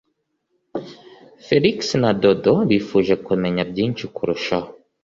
Felix na Dodo bifuje kumenya byinshi kurushaho